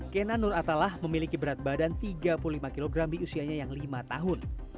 kena nur atallah memiliki berat badan tiga puluh lima kg di usianya yang lima tahun